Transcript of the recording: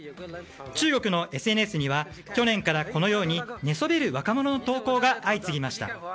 中国のＳＮＳには去年から、このように寝そべる若者の投稿が相次ぎました。